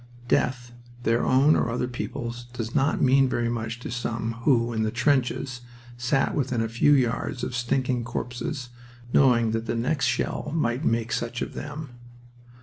Death, their own or other people's, does not mean very much to some who, in the trenches, sat within a few yards of stinking corpses, knowing that the next shell might make such of them.